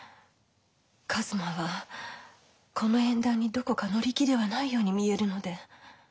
一馬はこの縁談にどこか乗り気ではないように見えるので。